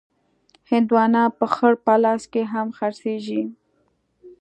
هندوانه په خړ پلاس کې هم خرڅېږي.